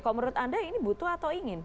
kalau menurut anda ini butuh atau ingin